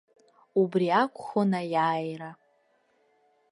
Убри акәхон аиааира.